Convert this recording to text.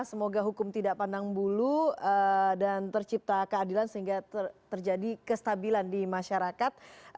semoga hukum tidak pandang bulu dan tercipta keadilan sehingga terjadi kestabilan di masyarakat